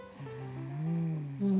うん。